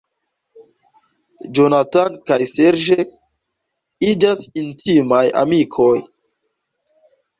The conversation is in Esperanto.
Jonathan kaj Serge iĝas intimaj amikoj.